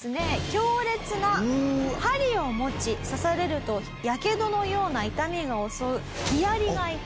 強烈な針を持ち刺されるとやけどのような痛みが襲うヒアリがいたり。